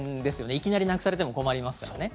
いきなりなくされても困りますからね。